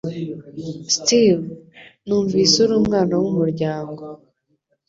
Steve, numvise uri umwana wumuryango.